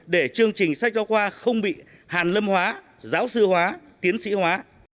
để chương trình sách giáo khoa không bị hàn lâm hóa giáo sư hóa tiến sĩ hóa